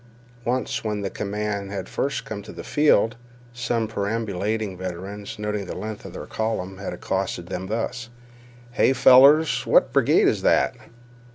Once, when the command had first come to the field, some perambulating veterans, noting the length of their column, had accosted them thus: "Hey, fellers, what brigade is that?"